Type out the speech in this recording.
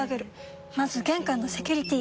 まず玄関のセキュリティ！